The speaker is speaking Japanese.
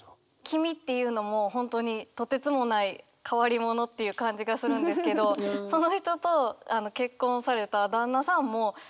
「君」っていうのも本当にとてつもない変わり者っていう感じがするんですけどその人と結婚された旦那さんもいいコンビなんじゃないかなと思って。